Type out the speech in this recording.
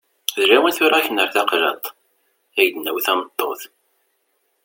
D lawan tura ad k-nerr taqlaḍt, ad k-d-nawi tameṭṭut.